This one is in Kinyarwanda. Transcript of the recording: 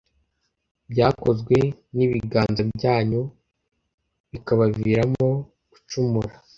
byakozwe n’ibiganza byanyu, bikabaviramo gucumura.